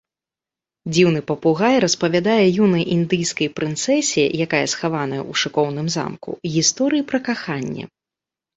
Дзіўны папугай распавядае юнай індыйскай прынцэсе, якая схаваная у шыкоўным замку, гісторыі пра каханне.